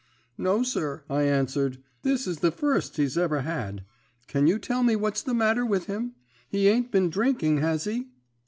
"'No, sir,' I answered; 'this is the first he's ever had. Can you tell me what's the matter with him? He ain't been drinking, has he?'